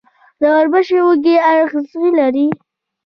د وربشو وږی اغزي لري.